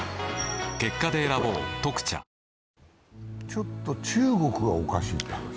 ちょっと中国がおかしいって話。